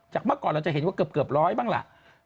เมื่อก่อนเราจะเห็นว่าเกือบร้อยบ้างล่ะ